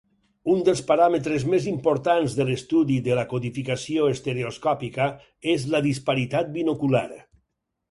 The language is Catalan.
Un dels paràmetres més importants en l'estudi de la codificació estereoscòpica és la disparitat binocular.